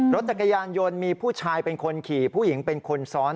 รถจักรยานยนต์มีผู้ชายเป็นคนขี่ผู้หญิงเป็นคนซ้อน